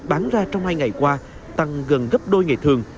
bán ra trong hai ngày qua tăng gần gấp đôi ngày thường